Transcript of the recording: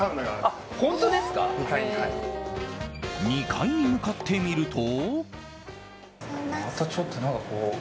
２階に向かってみると。